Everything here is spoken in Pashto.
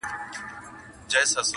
o څنګه به دي یاره هېرومه نور ,